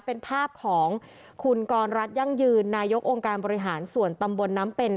เป็นภาพของคุณกรรัฐยั่งยืนนายกองค์การบริหารส่วนตำบลน้ำเป็น